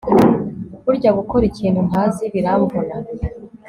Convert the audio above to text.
burya gukora ibintu ntazi biramvuna